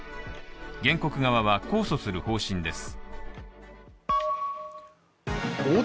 原告側は控訴する方針です。